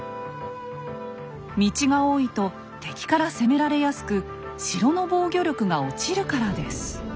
道が多いと敵から攻められやすく城の防御力が落ちるからです。